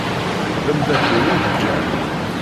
D amdakel-iw i d Jack.